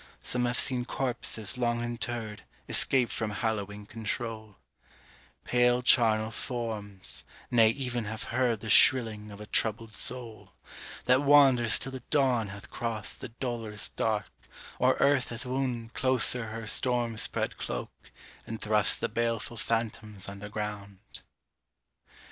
Some have seen corpses long interred Escape from hallowing control, Pale charnel forms nay ev'n have heard The shrilling of a troubled soul, That wanders till the dawn hath crossed The dolorous dark, or Earth hath wound Closer her storm spread cloke, and thrust The baleful phantoms underground.